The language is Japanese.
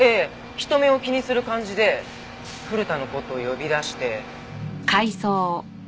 人目を気にする感じで古田の事呼び出して。